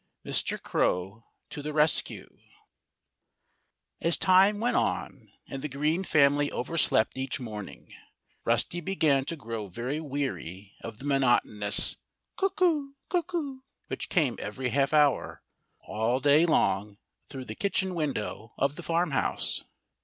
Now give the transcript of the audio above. VI MR. CROW TO THE RESCUE As time went on, and the Green family overslept each morning, Rusty began to grow very weary of the monotonous "Cuckoo! cuckoo!" which came every half hour, all day long, through the kitchen window of the farmhouse.